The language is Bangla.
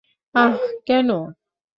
আহ, কেন?